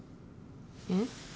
えっ？